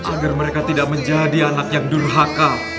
agar mereka tidak menjadi anak yang dulhaka